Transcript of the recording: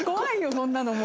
そんなのもう。